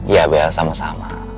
ya bel sama sama